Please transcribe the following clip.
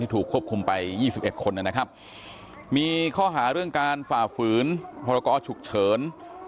ที่ถูกควบคุมไปยี่สิบเอ็ดคนนะครับมีข้อหาเรื่องการฝ่าฝืนพระรกอศฉุกเฉิน